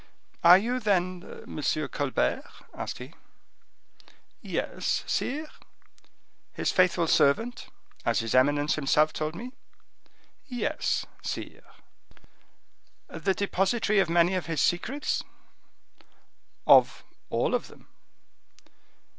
"Are you, then, M. Colbert?" asked he. "Yes, sire." "His faithful servant, as his eminence himself told me?" "Yes, sire." "The depositary of many of his secrets?" "Of all of them."